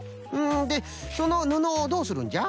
でそのぬのをどうするんじゃ？